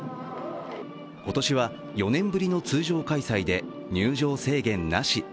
今年は４年ぶりの通常開催で入場制限なし。